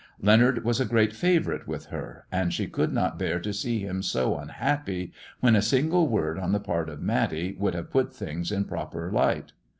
Leonard was a great favourite with her, and she could not bear to see him so unhappy, when a single word on the part of Matty would have put things in a proper light.